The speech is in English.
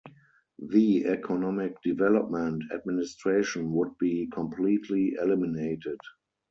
The Economic Development Administration would be completely eliminated.